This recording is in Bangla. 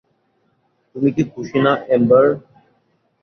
তুমি কি খুশি না, এম্বার?